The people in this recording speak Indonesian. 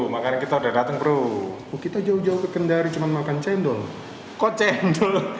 makanan kita udah datang bro kita jauh jauh ke kendari cuma makan cendol kocek dulu